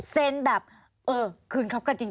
เซ็นแบบคืนครับกันจริง